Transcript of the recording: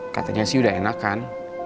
katanya sih udah enakan